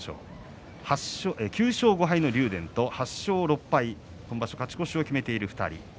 ９勝５敗の竜電と８勝６敗、今場所勝ち越しを決めている２人。